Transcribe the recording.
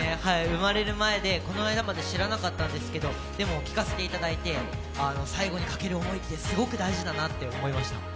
生まれる前で、この間まで知らなかったんですけど、でも、聴かせていただいて、最後にかける思いってすごく大事だなって思いました。